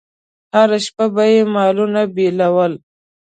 هره شپه به یې مالونه بېول.